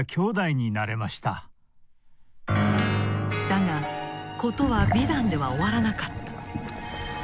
だが事は美談では終わらなかった。